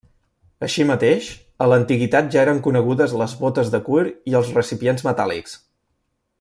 Així mateix, a l'Antiguitat ja eren conegudes les bótes de cuir i els recipients metàl·lics.